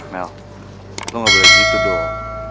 mell lo gak boleh gitu dong